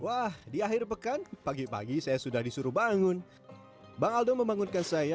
wah di akhir pekan pagi pagi saya sudah disuruh bangun bang aldo membangunkan saya